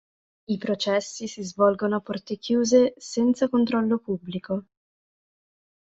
I processi si svolgono a porte chiuse senza controllo pubblico.